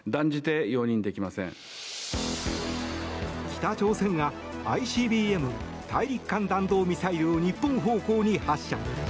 北朝鮮がＩＣＢＭ・大陸間弾道ミサイルを日本方向に発射。